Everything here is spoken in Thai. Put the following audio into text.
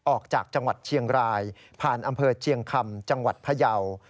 ออกจากจังหวัดเชียงรายผ่านอำเภอเชียงคำจังหวัดพยาว